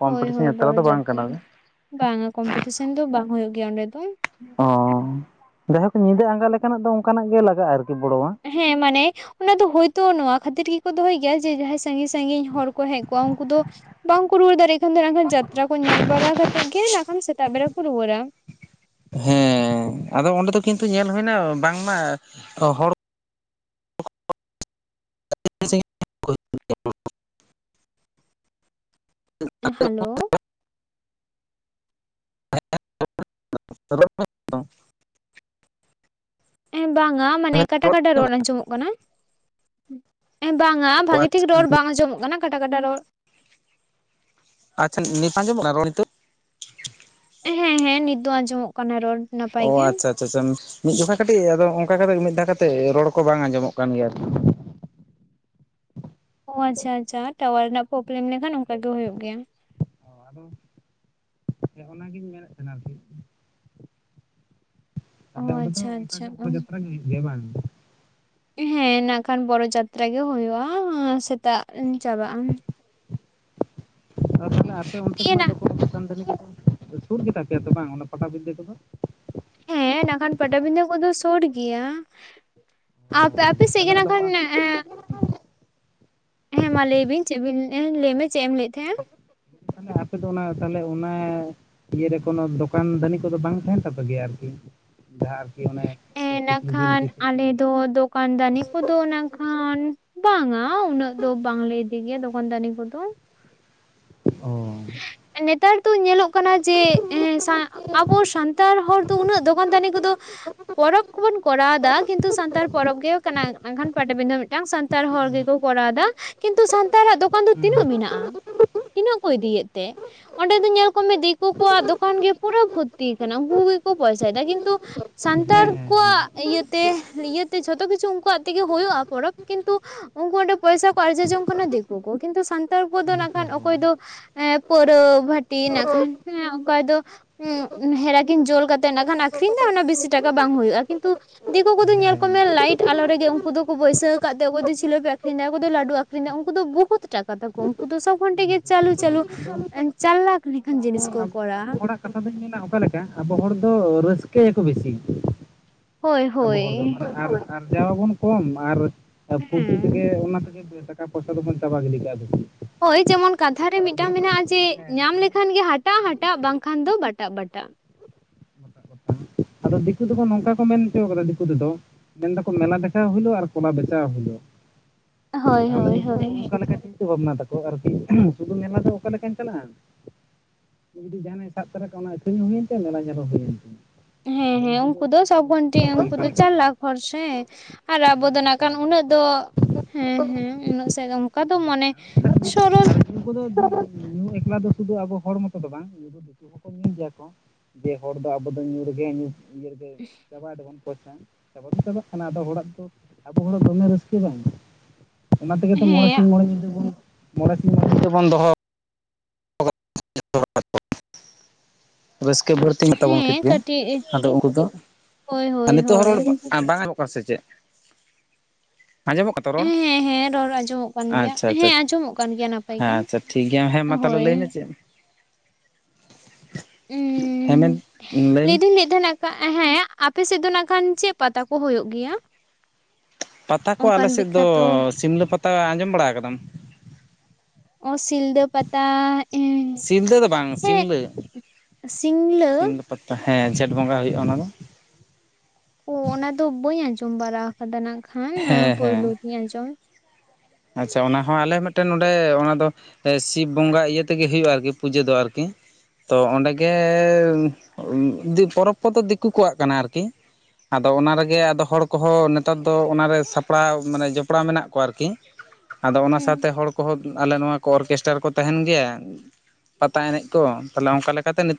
ᱠᱚᱢᱯᱤᱴᱤᱥᱮᱱ ᱡᱟᱛᱨᱟ ᱫᱚ ᱵᱟᱝ ᱠᱟᱱᱟ᱾ ᱵᱟᱝᱼᱟ ᱠᱚᱢᱯᱤᱴᱤᱥᱚᱱ ᱫᱚ ᱵᱟᱝ ᱦᱳᱭᱳᱜ ᱜᱮᱭᱟ ᱚᱸᱰᱮ ᱫᱚ᱾ ᱚᱸᱻ ᱡᱟᱭᱦᱳᱠ ᱧᱤᱫᱟᱹ ᱟᱸᱜᱟ ᱞᱮᱠᱟᱱᱟᱜ ᱫᱚ ᱚᱱᱠᱟᱱᱟᱜ ᱜᱮ ᱞᱟᱜᱟᱜᱼᱟ ᱟᱨᱠᱤ ᱵᱚᱲᱚᱣᱟᱜ᱾ ᱦᱮᱸ ᱢᱟᱱᱮ ᱚᱱᱟ ᱫᱚ ᱦᱳᱭᱛᱳ ᱱᱚᱶᱟ ᱠᱷᱟᱹᱛᱤᱨ ᱜᱮᱠᱚ ᱫᱚᱦᱚᱭ ᱜᱮᱭᱟ, ᱡᱮ ᱡᱟᱦᱟᱸᱭ ᱥᱟᱺᱜᱤᱧ ᱥᱟᱺᱜᱤᱧ ᱦᱚᱲ ᱠᱚ ᱦᱮᱡ ᱡᱚᱜᱼᱟ ᱩᱱᱠᱩ ᱫᱚ ᱵᱟᱝᱠᱚ ᱨᱩᱣᱟᱹᱨ ᱫᱟᱲᱮᱭᱟᱜ ᱠᱷᱟᱱ ᱫᱚ ᱱᱟᱜ ᱠᱷᱟᱱ ᱡᱟᱛᱨᱟ ᱠᱚ ᱧᱮᱞ ᱵᱟᱨᱟ ᱠᱟᱛᱮᱫ ᱜᱮ ᱱᱟᱜ ᱠᱷᱟᱱ ᱥᱮᱛᱟᱜ ᱵᱮᱲᱟ ᱠᱚ ᱨᱩᱣᱟᱹᱨᱟ᱾ ᱦᱮᱸ ᱟᱫᱚ ᱚᱸᱰᱮ ᱫᱚ ᱠᱤᱱᱛᱩ ᱧᱮᱞ ᱦᱩᱭᱮᱱᱟ ᱵᱟᱝ ᱢᱟ ᱦᱚᱲ [unintelligible] ᱮᱸ ᱦᱮᱞᱳ᱾ [unintelligible] ᱮᱸᱜ ᱵᱟᱝᱟ ᱢᱟᱱᱮ ᱠᱟᱴᱟ ᱠᱟᱴᱟ ᱨᱚᱲ ᱟᱸᱡᱚᱢᱚᱜ ᱠᱟᱱᱟ᱾ ᱮᱸ ᱵᱟᱝᱟ ᱵᱷᱟᱜᱮ ᱴᱷᱤᱠ ᱨᱚᱲ ᱵᱟᱝ ᱟᱸᱡᱚᱢᱚᱜ ᱠᱟᱱᱟ, ᱠᱟᱴᱟ ᱠᱟᱴᱟ ᱨᱚᱲ ᱟᱪᱪᱷᱟ ᱱᱤᱛ ᱟᱸᱡᱚᱢᱚᱜ ᱠᱟᱱᱟ ᱨᱚᱲ ᱱᱤᱛᱚᱜ? ᱦᱮᱸ ᱦᱮᱸ ᱱᱤᱛ ᱫᱚ ᱟᱸᱡᱚᱢᱚᱜ ᱠᱟᱱᱟ ᱨᱚᱲ, ᱚ ᱱᱟᱯᱟᱭ ᱜᱮ᱾ ᱟᱪᱪᱷᱟ ᱟᱪᱪᱷᱟ ᱟᱪᱪᱷᱟ ᱢᱤᱫ ᱡᱚᱠᱷᱟ ᱠᱟᱹᱴᱤᱡ ᱟᱫᱚ ᱦᱚᱸᱜ-ᱚᱝᱠᱟ ᱠᱟᱛᱮ ᱢᱤᱫ ᱫᱷᱟᱣ ᱠᱟᱛᱮᱫ ᱨᱚᱲ ᱠᱚ ᱵᱟᱝ ᱟᱸᱡᱚᱢᱚᱜ ᱠᱟᱱ ᱜᱮᱭᱟ᱾ ᱟᱨᱠᱤ ᱚ ᱟᱪᱪᱷᱟ ᱟᱪᱪᱷᱟ ᱴᱟᱣᱟᱨ ᱨᱮᱱᱟᱜ ᱯᱨᱚᱵᱽᱞᱮᱢ ᱞᱮᱠᱷᱟᱱ ᱚᱱᱠᱟ ᱜᱮ ᱦᱳᱭᱳᱜ ᱜᱮᱭᱟ᱾ ᱚ ᱟᱫᱚ ᱦᱮᱸ ᱚᱱᱟ ᱜᱤᱧ ᱢᱮᱱᱮᱫ ᱛᱟᱦᱮᱱᱟ ᱟᱨᱠᱤ᱾ ᱚ ᱛᱟᱦᱞᱮ ᱚᱸᱰᱮ ᱫᱚ ᱟᱪᱪᱷᱟ ᱚᱱᱠᱟ ᱟᱪᱪᱷᱟ ᱜᱮ ᱵᱚᱲᱚ ᱡᱟᱛᱨᱟ ᱜᱮ ᱦᱩᱭᱩᱜ ᱜᱮᱭᱟ ᱵᱟᱝ? ᱦᱮᱸ ᱱᱟᱜ ᱠᱷᱟᱱ ᱵᱚᱨᱚ ᱡᱟᱛᱨᱟ ᱜᱮ ᱦᱳᱭᱳᱜᱼᱟ ᱥᱮᱛᱟᱜ ᱪᱟᱵᱟᱜᱼᱟ᱾ ᱟᱫᱚ ᱛᱟᱦᱚᱞᱮ ᱟᱯᱮ ᱚᱱᱛᱮ ᱤᱭᱟᱹ ᱠᱷᱚᱱᱟᱜ ᱱᱟᱜ ᱫᱚ [unintelligible] ᱥᱩᱨ ᱜᱮᱛᱟ ᱯᱮᱭᱟ ᱛᱚ ᱵᱟᱝ ᱚᱱᱟ ᱯᱟᱴᱟᱵᱤᱸᱫᱟᱹ ᱠᱚᱫᱚ? ᱦᱮᱸ ᱱᱟᱠᱷᱟᱱ ᱯᱟᱴᱟᱵᱤᱸᱫᱟᱹ ᱠᱚᱫᱚ ᱥᱳᱨ ᱜᱮᱭᱟ, ᱟ ᱚ ᱟᱯᱮ ᱥᱮᱫ ᱜᱮ ᱛᱟᱦᱚᱞᱮ ᱱᱟᱜ ᱟᱫᱚ ᱠᱷᱟᱱ ᱚᱱᱟ ᱮᱸ ᱦᱮᱸ ᱢᱟ ᱞᱟᱹᱭᱵᱤᱱ ᱪᱮᱫ ᱵᱤᱱ ᱞᱟᱹᱭᱮᱜᱼᱟ? ᱞᱟᱹᱭ ᱢᱮ ᱪᱮᱫ ᱮᱢ ᱞᱟᱹᱭᱮᱫ ᱛᱟᱦᱮᱸᱜᱼᱟ? ᱛᱟᱦᱞᱮ ᱟᱯᱮ ᱫᱚ ᱚᱱᱟ ᱛᱟᱦᱚᱞᱮ ᱚᱱᱟᱻ ᱤᱭᱟᱹᱨᱮ ᱠᱳᱱᱚ ᱫᱚᱠᱟᱱ ᱫᱟᱹᱱᱤ ᱠᱚᱫᱚ ᱵᱟᱝ ᱛᱟᱦᱮᱱ ᱛᱟᱯᱮ ᱜᱮᱭᱟ ᱟᱨᱠᱤ? ᱡᱟᱦᱟᱸ ᱚᱱᱮ ᱮᱸ ᱱᱟᱜ ᱥᱩᱠᱨᱤ ᱡᱤᱞ ᱠᱷᱟᱱ ᱯᱤᱴᱷᱟᱹ ᱠᱚ ᱟᱞᱮ ᱫᱚ ᱫᱚ ᱠᱟᱱ ᱫᱟᱹᱱᱤ ᱠᱚᱫᱚ ᱱᱟᱜ ᱠᱷᱟᱱ ᱵᱟᱝᱼᱟ, ᱩᱱᱟᱹᱜ ᱫᱚ ᱵᱟᱝ ᱞᱮ ᱤᱫᱤ ᱜᱮᱭᱟ ᱫᱚᱠᱟᱱ ᱫᱟᱹᱱᱤ ᱠᱚᱫᱚ᱾ ᱚᱻ᱾ ᱮᱸ ᱱᱮᱛᱟᱨ ᱫᱚ ᱧᱮᱞᱚᱜ ᱠᱟᱱᱟ ᱡᱮ ᱮ ᱥᱟᱸ ᱟᱵᱚ ᱥᱟᱱᱛᱟᱲ ᱦᱚᱲ ᱫᱚ ᱩᱱᱟᱹᱜ ᱫᱚᱠᱟᱱ ᱫᱟᱹᱱᱤ ᱠᱚᱫᱚ ᱯᱚᱨᱚᱵᱽ ᱠᱚ ᱵᱚᱱ ᱠᱚᱨᱟᱣ ᱮᱫᱟ ᱠᱤᱱᱛᱩ ᱥᱟᱱᱛᱟᱲ ᱯᱚᱨᱚᱵᱽ ᱜᱮ ᱠᱟᱱᱟ, ᱢᱮᱱᱠᱷᱟᱱ ᱯᱟᱴᱟᱵᱤᱸᱫᱟᱹ ᱢᱤᱫᱴᱟᱱ ᱥᱟᱱᱛᱟᱲ ᱦᱩᱸ ᱦᱚᱲ ᱜᱮᱠᱚ ᱠᱚᱨᱟᱣ ᱮᱫᱟ᱾ ᱠᱤᱱᱛᱩ ᱥᱟᱱᱛᱟᱲᱟᱜ ᱫᱚᱠᱟᱱ ᱫᱚ ᱛᱤᱱᱟᱹᱜ ᱦᱩᱸ ᱢᱮᱱᱟᱜᱼᱟ? ᱛᱤᱱᱟᱹᱜ ᱠᱚ ᱤᱫᱤᱭᱮᱫ ᱛᱮ? ᱚᱸᱰᱮ ᱫᱚ ᱧᱮᱞ ᱠᱚᱢᱮ ᱫᱤᱠᱩ ᱠᱚᱣᱟᱜ ᱫᱚᱠᱟᱱ ᱜᱮ ᱯᱩᱨᱟᱹ ᱵᱷᱚᱨᱛᱤᱭ ᱠᱟᱱᱟ, ᱩᱱᱠᱩ ᱜᱮᱠᱚ ᱯᱚᱭᱥᱟᱭᱮᱫᱟ ᱠᱤᱱᱛᱩ ᱥᱟᱱᱛᱟᱲ ᱦᱮᱸ ᱦᱮᱸ ᱠᱚᱣᱟᱜ ᱦᱮᱸ ᱤᱭᱟᱹᱛᱮ ᱤᱭᱟᱹᱛᱮ ᱡᱷᱚᱛᱚ ᱠᱤᱪᱷᱩ ᱩᱝᱠᱩᱣᱟᱜ ᱛᱮᱜᱮ ᱦᱩᱭᱩᱜᱼᱟ ᱯᱚᱨᱚᱵᱽ, ᱠᱤᱱᱛᱩ ᱩᱝᱠᱩ ᱚᱸᱰᱮ ᱯᱚᱭᱥᱟ ᱠᱚ ᱟᱨᱡᱟᱣ ᱡᱚᱝ ᱠᱟᱱᱟ ᱫᱤᱠᱩ ᱠᱚ, ᱠᱤᱱᱛᱩ ᱥᱟᱱᱛᱟᱲ ᱠᱚᱫᱚ ᱱᱟᱜ ᱫᱤᱠᱩ ᱠᱷᱟᱱ ᱠᱚ ᱚᱠᱚᱭ ᱫᱚ ᱯᱟᱹᱣᱨᱟᱹ ᱵᱷᱟᱹᱴᱤ ᱱᱟᱜ ᱠᱷᱟᱱ ᱚᱠᱚᱭ ᱫᱚ ᱦᱩᱸ ᱦᱮᱨᱟᱠᱤᱱ ᱡᱳᱞ ᱠᱟᱛᱮᱜ ᱱᱟᱜ ᱠᱷᱟᱱ ᱟᱠᱷᱨᱤᱧ ᱫᱟ, ᱵᱤᱥᱤ ᱴᱟᱠᱟ ᱵᱟᱝ ᱦᱳᱭᱳᱜᱼᱟ ᱠᱤᱱᱛᱩ ᱫᱤᱠᱩ ᱠᱚᱫᱚ ᱧᱮᱞ ᱦᱮᱸ ᱠᱚᱢᱮ ᱞᱟᱹᱭᱤᱴ ᱟᱞᱚ ᱨᱮᱜᱮ ᱩᱱᱠᱩ ᱫᱚᱠᱚ ᱵᱟᱹᱭᱥᱟᱹᱣ ᱠᱟᱫ ᱛᱮ ᱚᱠᱚᱭ ᱫᱚ ᱡᱷᱤᱞᱟᱹᱯᱤ ᱟᱹᱠᱷᱨᱤᱧ ᱫᱟ ᱚᱠᱚᱭ ᱫᱚ ᱞᱟᱹᱰᱩ ᱟᱹᱠᱷᱨᱤᱧ ᱫᱟ ᱩᱱᱠᱩ ᱫᱚ ᱵᱩᱦᱩᱛ ᱴᱟᱠᱟ ᱛᱟᱠᱚ, ᱩᱱᱠᱩ ᱫᱚ ᱥᱚᱵᱽ ᱠᱷᱚᱱ ᱛᱮᱜᱮ ᱵᱚᱦᱩᱛ ᱪᱟᱹᱞᱩ ᱴᱟᱠᱟ᱾ ᱪᱟᱹᱞᱩ [unintelligible] ᱟᱫᱚ ᱡᱤᱱᱤᱥ ᱠᱚ ᱟᱵᱚ ᱠᱚᱨᱟ ᱟᱵᱚ ᱦᱚᱲᱟᱜ ᱠᱟᱛᱷᱟ ᱫᱩᱧ ᱢᱮᱱᱟ ᱚᱠᱟ ᱞᱮᱠᱟ ᱟᱵᱚ ᱦᱚᱲ ᱫᱚ ᱨᱟᱹᱥᱠᱟᱹᱭ ᱟᱠᱚ ᱵᱮᱥᱤ ᱦᱳᱭ ᱟᱵᱚ ᱦᱳᱭ ᱦᱚᱲ ᱫᱚ ᱢᱟᱱᱮ ᱟᱨ ᱟᱨᱡᱟᱣ ᱟᱵᱚᱱ ᱠᱚᱢ ᱟᱨ [unintelligible] ᱦᱮᱸ ᱛᱮᱜᱮ ᱚᱱᱟ ᱛᱮᱜᱮ ᱴᱟᱠᱟ ᱯᱚᱭᱥᱟ ᱫᱚᱵᱚᱱ ᱪᱟᱵᱟ ᱜᱤᱰᱤ ᱠᱟᱜᱼᱟ ᱫᱚᱼᱼ ᱦᱳᱭ ᱡᱮᱢᱚᱱ ᱠᱟᱛᱷᱟ ᱨᱮ ᱢᱤᱫᱴᱟᱝ ᱢᱮᱱᱟᱜᱼᱟ ᱪᱮᱜ ᱦᱮᱸ ᱧᱟᱢ ᱞᱮᱠᱷᱟᱱ ᱜᱮ ᱦᱟᱴᱟᱜ ᱦᱟᱴᱟᱜ ᱵᱟᱝ ᱠᱷᱟᱱ ᱫᱚ ᱵᱟᱴᱟᱜ ᱵᱟᱴᱟᱜ ᱟᱫᱚ ᱫᱤᱠᱩ ᱫᱚᱠᱚ ᱱᱚᱝᱠᱟ ᱠᱚ ᱢᱮᱱ ᱦᱚᱪᱚ ᱠᱟᱫᱟ ᱫᱤᱠᱩ ᱛᱮ ᱫᱚᱼᱼ ᱢᱮᱱ ᱫᱟᱠᱚ ᱢᱮᱞᱟ ᱫᱮᱠᱷᱟᱣ ᱦᱩᱭᱞᱳ ᱟᱨ ᱠᱚᱞᱟ ᱵᱮᱪᱷᱟᱣ ᱦᱩᱭᱞᱳ ᱦᱳᱭ ᱛᱟᱦᱚᱞᱮ ᱦᱳᱭ ᱩᱱᱠᱩ ᱦᱳᱭ ᱚᱱᱠᱟ ᱞᱮᱠᱟ [unintelligible] ᱪᱤᱱᱛᱟᱹ ᱵᱷᱟᱵᱽᱱᱟ ᱛᱟᱠᱚ ᱟᱨᱠᱤ ᱥᱩᱫᱷᱩ ᱢᱮᱞᱟ ᱫᱚ ᱚᱠᱟ ᱞᱮᱠᱟᱹᱧ ᱪᱟᱞᱟᱜᱼᱟ ᱡᱩᱫᱤ ᱡᱟᱦᱟᱱᱟᱜ ᱥᱟᱵ ᱛᱟᱨᱟ ᱠᱟᱜᱼᱟ ᱚᱱᱟ ᱟᱹᱠᱷᱨᱤᱧ ᱦᱩᱭ ᱮᱱ ᱛᱟᱭᱟ ᱢᱮᱞᱟ ᱧᱮᱞ ᱦᱚᱸ ᱦᱩᱭ ᱮᱱ ᱛᱟᱭᱟ ᱦᱮᱸ ᱦᱮᱸ ᱩᱱᱠᱩ ᱫᱚ ᱥᱚᱵ ᱜᱷᱚᱱᱴᱷ ᱩᱱᱠᱩ ᱚᱱᱠᱟ ᱫᱚ ᱞᱮᱠᱟ ᱪᱟᱞ ᱛᱟᱠᱚ ᱞᱟᱠᱷ ᱦᱚᱲ ᱥᱮ ᱦᱮᱸ ᱟᱨ ᱟᱵᱚ ᱦᱮᱸ ᱫᱚ ᱦᱮᱸ ᱱᱟᱜ ᱠᱷᱟᱱ ᱪᱟᱞᱟᱠ ᱩᱱᱟᱹᱜ ᱟᱨᱠᱤ ᱫᱚ ᱦᱮᱸ ᱦᱮᱸ ᱩᱱᱟᱹᱜ ᱥᱮᱫ ᱚᱱᱠᱟ ᱫᱚ ᱢᱟᱱᱮ ᱥᱚᱨᱚᱞᱼᱼ ᱩᱱᱠᱩ ᱫᱚ ᱧᱩ ᱮᱠᱞᱟ ᱫᱚ ᱥᱩᱫᱷᱩ ᱟᱵᱚ ᱦᱚᱲ ᱢᱚᱛᱚ ᱫᱚ ᱵᱟᱝ ᱫᱤᱠᱩ ᱧᱩᱭ ᱜᱮᱭᱟ ᱠᱚ ᱡᱮ ᱦᱚᱲ ᱫᱚ ᱟᱵᱚ ᱫᱚ ᱧᱩ ᱨᱮᱜᱮ ᱤᱭᱟᱹ ᱨᱮ ᱜᱮᱼᱼ ᱪᱟᱵᱟᱭ ᱫᱟᱵᱚᱱ ᱯᱚᱭᱥᱟ ᱪᱟᱵᱟᱜ ᱪᱟᱵᱟᱜ ᱠᱟᱱᱟ ᱟᱫᱚ ᱦᱚᱲᱟᱜ ᱫᱚ ᱟᱵᱚ ᱦᱚᱲ ᱫᱚᱢᱮ ᱨᱟᱹᱥᱠᱟᱹ ᱵᱟᱝ ᱚᱱᱟ ᱛᱮᱜᱮ ᱛᱚ ᱢᱚᱬᱮ ᱦᱮᱸ ᱥᱤᱧ ᱢᱚᱬᱮ ᱧᱤᱫᱟᱹ ᱵᱚᱱ ᱢᱚᱬᱮ ᱥᱤᱧ ᱢᱚᱬᱮ ᱧᱤᱫᱟᱹ ᱵᱚᱱ ᱫᱚᱦᱚᱼᱼ [unintelligible] ᱨᱟᱹᱥᱠᱟᱹ ᱵᱟᱹᱲᱛᱤ ᱢᱮᱱᱟᱜ ᱛᱟᱵᱚᱱ ᱴᱷᱤᱠ ᱦᱮᱸ ᱜᱮ ᱠᱟᱹᱴᱤᱡ ᱟᱫᱚ ᱩᱱᱠᱩ ᱫᱚᱼᱼ ᱦᱳᱭ ᱟᱨ ᱦᱳᱭ ᱱᱤᱛᱳᱜ ᱦᱚᱸ ᱦᱳᱭ ᱨᱚᱲ ᱦᱮᱸ ᱵᱟᱝ ᱟᱸᱡᱚᱜ ᱠᱟᱱᱟ ᱥᱮ ᱪᱮᱫ ᱟᱸᱡᱚᱢᱚᱜ ᱠᱟᱱᱟ ᱛᱚ ᱨᱚᱲ ᱦᱮᱸ ᱦᱮᱸ ᱨᱚᱲ ᱟᱸᱡᱚᱢᱚᱜ ᱠᱟᱱ ᱜᱮᱭᱟ ᱟᱪᱪᱷᱟ ᱟᱪᱪᱷᱟ ᱦᱮᱸ ᱟᱸᱡᱚᱢᱚᱜ ᱠᱟᱱ ᱜᱮᱭᱟ ᱱᱟᱯᱟᱭ ᱦᱮᱸ ᱜᱮ ᱟᱪᱪᱷᱟ ᱴᱷᱤᱠ ᱜᱮᱭᱟ ᱦᱮᱸ ᱢᱟ ᱛᱟᱦᱞᱮ ᱦᱳᱭ ᱞᱟᱹᱭ ᱢᱮ ᱪᱮᱫ ᱦᱮᱸ ᱩᱸ ᱢᱮᱱ ᱞᱟᱹᱭ ᱫᱟᱹᱧ ᱞᱟᱹᱭ ᱛᱟᱦᱮᱱᱟ ᱦᱮᱸ ᱟᱯᱮ ᱥᱮᱫ ᱫᱚ ᱱᱟᱜ ᱠᱷᱟᱱ ᱪᱮᱫ ᱯᱟᱛᱟ ᱠᱚ ᱦᱩᱭᱩᱜ ᱜᱮᱭᱟ ᱯᱟᱛᱟ ᱠᱚ ᱟᱞᱮ ᱚᱱᱠᱟᱱ ᱥᱮᱫ ᱫᱚ ᱵᱤᱠᱠᱷᱟᱛᱚ ᱥᱤᱢᱞᱟᱹ ᱯᱟᱛᱟ ᱟᱸᱡᱚᱢ ᱵᱟᱲᱟ ᱟᱠᱟᱫᱟᱢ ᱚ ᱥᱤᱞᱫᱟᱹ ᱯᱟᱛᱟ ᱦᱮᱸ ᱥᱤᱞᱫᱟᱹ ᱫᱚ ᱵᱟᱝ ᱥᱤᱢᱞᱟᱹ ᱥᱤᱝᱞᱟᱹ ᱥᱤᱢᱞᱟᱹ ᱯᱟᱛᱟ ᱦᱮᱸ ᱡᱷᱮᱸᱴ ᱵᱚᱸᱜᱟ ᱦᱩᱭᱩᱜᱼᱟ ᱚᱱᱟ ᱫᱚᱼᱼ ᱳ ᱚᱱᱟ ᱫᱚ ᱵᱟᱹᱧ ᱟᱸᱡᱚᱢ ᱵᱟᱲᱟ ᱟᱠᱟᱫᱟ ᱱᱟᱜ ᱠᱷᱟᱱ ᱦᱮᱸ ᱦᱮᱸ ᱯᱳᱭᱞᱩ ᱜᱤᱧ ᱟᱸᱡᱚᱢ ᱟᱪᱪᱷᱟ ᱚᱱᱟ ᱦᱚᱸ ᱟᱞᱮ ᱢᱤᱫᱴᱮᱱ ᱱᱚᱰᱮ ᱚᱱᱟ ᱫᱚᱼᱼ ᱥᱤᱵ ᱵᱚᱸᱜᱟ ᱤᱭᱟᱹ ᱛᱮ ᱜᱮ ᱦᱩᱭᱩᱜᱼᱟ ᱟᱨᱠᱤ ᱯᱩᱡᱟᱹ ᱫᱚ ᱟᱨᱠᱤ ᱛᱚ ᱚᱸᱰᱮ ᱜᱮᱭ ᱯᱚᱨᱚᱵᱽ ᱠᱚᱫᱚ ᱫᱤᱠᱩ ᱠᱚᱣᱟᱜ ᱠᱟᱱᱟ ᱟᱨᱠᱤ ᱟᱫᱚ ᱚᱱᱟ ᱨᱮ ᱜᱮ ᱟᱫᱚ ᱦᱚᱲ ᱠᱚ ᱦᱚᱸ ᱱᱮᱛᱟᱨ ᱫᱚ ᱚᱱᱟ ᱨᱮ ᱥᱟᱯᱲᱟᱣ ᱢᱟᱱᱮ ᱡᱚᱯᱲᱟᱣ ᱢᱮᱱᱟᱜ ᱠᱚᱣᱟ ᱟᱨᱠᱤ ᱟᱫᱚ ᱚᱱᱟ ᱥᱟᱶ ᱦᱮᱸ ᱛᱮ ᱦᱚᱲ ᱠᱚᱼᱼ ᱠᱚ ᱦᱚᱸ ᱟᱞᱮ ᱱᱚᱣᱟ ᱠᱚ ᱚᱨᱠᱮᱥᱴᱟᱨ ᱠᱚ ᱛᱟᱦᱮᱱ ᱜᱮᱭᱟ ᱯᱟᱛᱟ ᱮᱱᱮᱡ ᱠᱚ ᱛᱟᱦᱚᱞᱮ ᱚᱱᱠᱟ ᱞᱮᱠᱟ ᱛᱮ ᱱᱤᱛᱚᱜ [unintelligible]